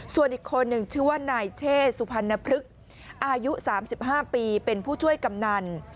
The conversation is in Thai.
ส่วนอีกคนหนึ่งชื่อว่านายเชษสุพรรณพฤกษ์อายุ๓๕ปีเป็นผู้ช่วยกำนัน